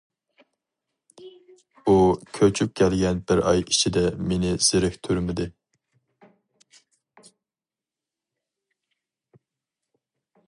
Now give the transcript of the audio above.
ئۇ كۆچۈپ كەلگەن بىر ئاي ئىچىدە مېنى زېرىكتۈرمىدى.